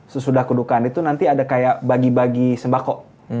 sesudah kedukaan itu nanti ada kayak bagi bagi sembako